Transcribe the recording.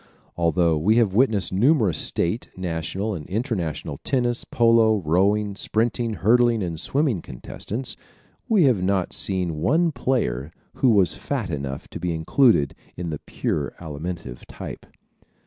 Although we have witnessed numerous state, national and international tennis, polo, rowing, sprinting, hurdling and swimming contests, we have seen not one player who was fat enough to be included in the pure Alimentive type.